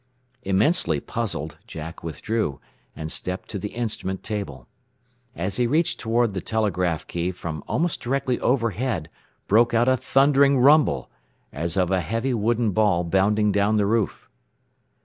Immensely puzzled, Jack withdrew, and stepped to the instrument table. As he reached toward the telegraph key from almost directly overhead broke out a thundering rumble, as of a heavy wooden ball bounding down the roof.